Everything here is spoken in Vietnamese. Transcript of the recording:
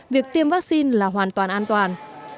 việc tiêm vaccine là hoàn toàn an toàn